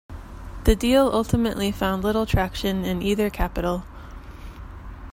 The deal ultimately found little traction in either capital.